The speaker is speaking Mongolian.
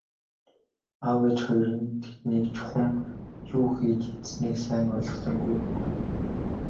Аав ээж хоёр нь тэднийг чухам юу хийж идсэнийг сайн ойлгосонгүй өнгөрөв.